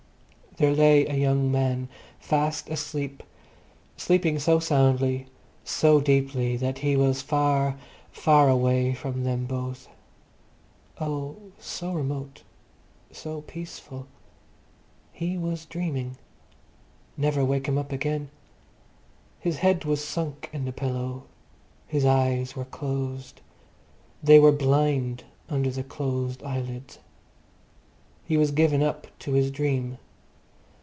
There lay a young man, fast asleep—sleeping so soundly, so deeply, that he was far, far away from them both. Oh, so remote, so peaceful. He was dreaming. Never wake him up again. His head was sunk in the pillow, his eyes were closed; they were blind under the closed eyelids. He was given up to his dream.